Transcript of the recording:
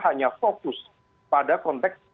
hanya fokus pada konteks